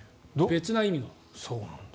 別な意味が。